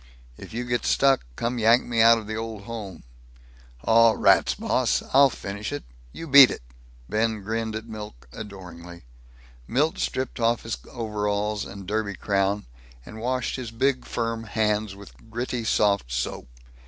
"If you get stuck, come yank me out of the Old Home." "Aw rats, boss. I'll finish it. You beat it." Ben grinned at Milt adoringly. Milt stripped off his overalls and derby crown, and washed his big, firm hands with gritty soft soap.